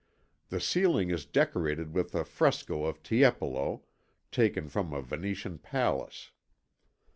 The ceiling is decorated with a fresco of Tiepolo, taken from a Venetian palace.